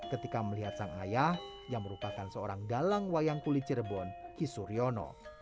ketika melihat sang ayah yang merupakan seorang dalang wayang kulit cirebon kisuryono